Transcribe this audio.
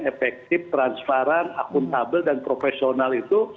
efektif transparan akuntabel dan profesional itu